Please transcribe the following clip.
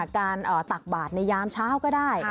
ตักบาทในยามเช้าก็ได้